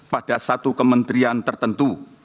pada satu kementerian tertentu